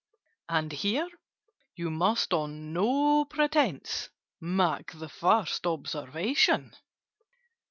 "And here you must on no pretence Make the first observation.